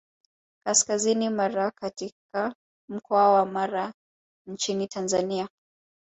Kaskazini Mara katika mkoa wa Mara nchini Tanzania